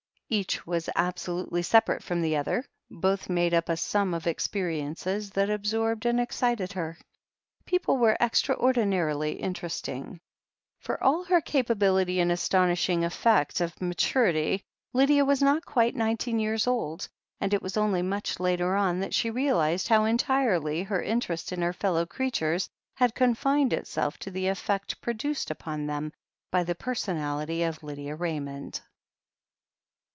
Each was absolutely separate from the other, but both made up a sum of experiences that absorbed and excited her. People were extraordinarily interesting. For all her capability and astonishing effect of ma turity, Lydia was not quite nineteen years old, and it was only much later on that she realized how entirely her interest in her fellow creatures had confined itself to the effect produced upon them by the personality of Lydia Raymond.